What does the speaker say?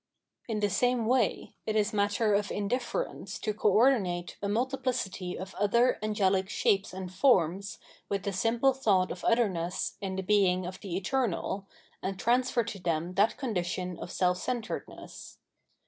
784 Phenomenology of Mind In the same way, it is matter of indifierence to co ordinate a multiplicity of other angehc shapes and forms with the simple thought of otherness in the Being of the Eternal, and transfer to them that condition of self centredness.